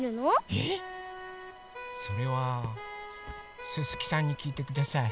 えっ⁉それはすすきさんにきいてください。